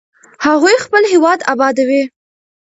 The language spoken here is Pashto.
هغوی خپل هېواد ابادوي.